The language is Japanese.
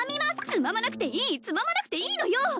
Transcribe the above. つままなくていいつままなくていいのよ！